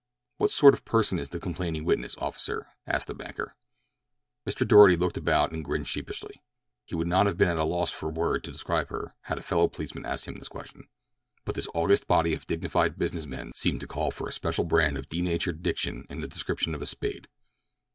"What sort of person is the complaining witness, officer?" asked the banker. Mr. Doarty looked about and grinned sheepishly. He would not have been at a loss for a word to describe her had a fellow policeman asked him this question, but this august body of dignified business men seemed to call for a special brand of denatured diction in the description of a spade.